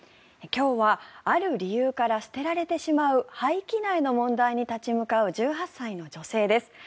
今日はある理由から捨てられてしまう廃棄苗の問題に立ち向かう１８歳の女性です。